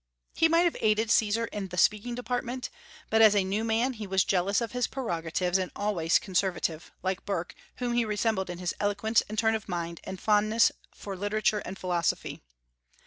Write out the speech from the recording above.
He might have aided Caesar "in the speaking department;" but as a "new man" he was jealous of his prerogatives, and was always conservative, like Burke, whom he resembled in his eloquence and turn of mind and fondness for literature and philosophy.